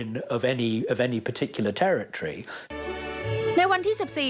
ในวันที่๑๔พฤศจิกายน๒๔๙๑